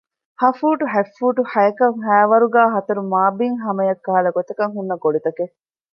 ހަ ފޫޓު ހަތް ފޫޓު ހައިކަށް ހައި ވަރުގައި ހަތަރު މާބިތް ހަމަޔަށް ކަހަލަ ގޮތަކަށް ހުންނަ ގޮޅިތަކެއް